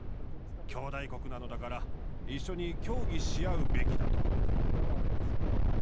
兄弟国なのだから一緒に協議し合うべきだと。